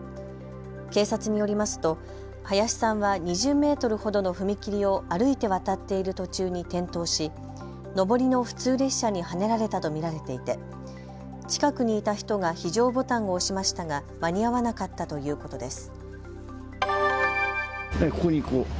警察によりますと林さんは２０メートルほどの踏切を歩いて渡っている途中に転倒し上りの普通列車にはねられたと見られていて近くにいた人が非常ボタンを押しましたが間に合わなかったということです。